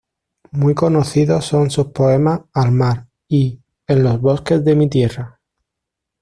Muy conocidos son sus poemas "Al Mar" y "En los bosques de mi tierra".